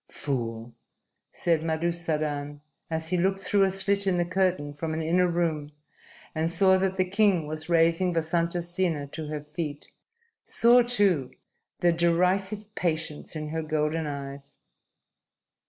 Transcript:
"Fool!" said Madusadan, as he looked through a slit in the curtain from an inner room and saw that the king was raising Vasantasena to her feet; saw, too, the derisive patience in her golden eyes.